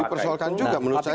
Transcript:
dipersoalkan juga menurut saya